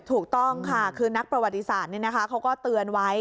ถูกต้องค่ะคือนักประวัติศาสตร์เขาก็เตือนไว้